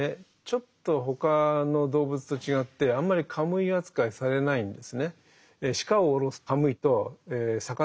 ちょっと他の動物と違ってあんまりカムイ扱いされないんですね。